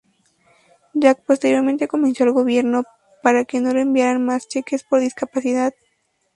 Jack posteriormente convenció al gobierno para que no le enviaran más cheques por discapacidad.